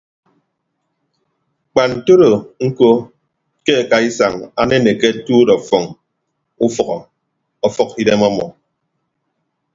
Kpa ntodo ñko ke akaisañ anenekke atuut ọfọñ ufʌhọ ọfʌk idem ọmọ.